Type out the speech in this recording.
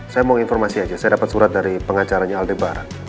saya mau informasi aja saya dapat surat dari pengacaranya aldi bara